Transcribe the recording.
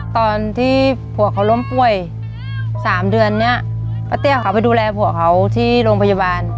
ตอนที่ผัวเขาล้มป่วย๓เดือนเนี่ยป้าเตี้ยเขาไปดูแลผัวเขาที่โรงพยาบาล